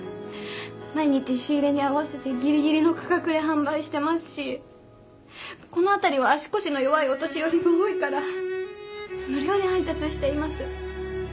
毎日仕入れに合わせてギリギリの価格で販売してますしこの辺りは足腰の弱いお年寄りも多いから無料で配達しています。